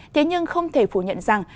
thế nhưng không thể phủ nhận rằng